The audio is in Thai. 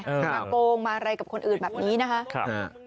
มาโกงมาอะไรกับคนอื่นแบบนี้นะคะ